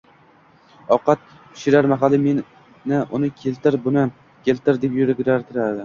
ovqat pishar mahali meni uni keltir, buni keltir deb yugurtirardi.